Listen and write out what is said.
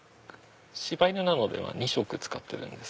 柴犬なので２色使ってるんです。